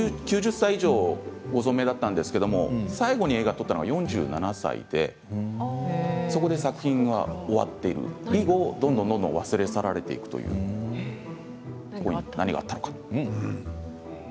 ９０歳以上、ご存命だったんですけれども最後に映画を撮ったのは４７歳でそこで作品は終わっている以後どんどんどんどん忘れ去られていくというところに何があったのか。